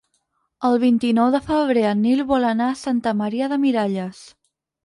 El vint-i-nou de febrer en Nil vol anar a Santa Maria de Miralles.